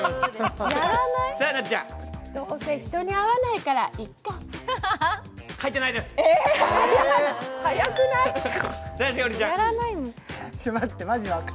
どうせ人に会わないからいっか。